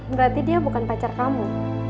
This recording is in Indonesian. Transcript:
berarti dia bukan pacar kamu